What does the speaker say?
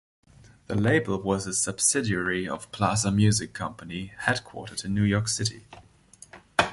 The label was a subsidiary of Plaza Music Company, headquartered in New York City.